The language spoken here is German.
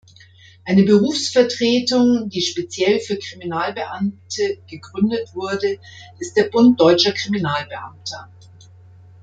Eine Berufsvertretung, die speziell für Kriminalbeamte gegründet wurde, ist der Bund Deutscher Kriminalbeamter.